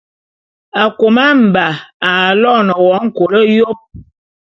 Akôma-Mba aloene wo nkôl yôp.